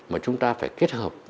mà chúng ta phải kết hợp